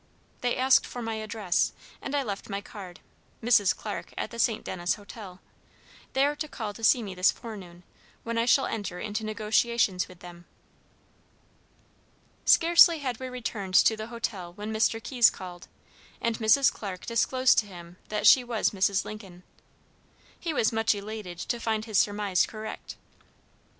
They asked for my address, and I left my card, Mrs. Clarke, at the St. Denis Hotel. They are to call to see me this forenoon, when I shall enter into negotiations with them." Scarcely had we returned to the hotel when Mr. Keyes called, and Mrs. Clarke disclosed to him that she was Mrs. Lincoln. He was much elated to find his surmise correct.